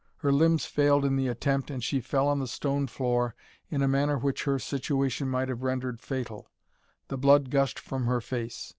Her limbs failed in the attempt, and she fell on the stone floor in a manner which her situation might have rendered fatal The blood gushed from her face.